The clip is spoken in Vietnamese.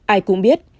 ai cũng biết